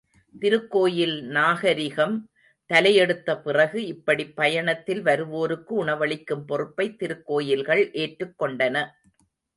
திருக்கோயில் நாகரிகம் தலையெடுத்த பிறகு இப்படிப் பயணத்தில் வருவோருக்கு உணவளிக்கும் பொறுப்பைத் திருக்கோயில்கள் ஏற்றுக்கொண்டன.